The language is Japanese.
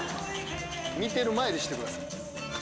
見てる前でしてください。